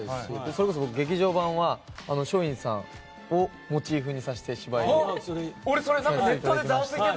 それこそ劇場版は松陰寺さんをモチーフに芝居させていただいて。